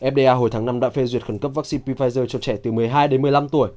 fda hồi tháng năm đã phê duyệt khẩn cấp vaccine pfizer cho trẻ từ một mươi hai đến một mươi năm tuổi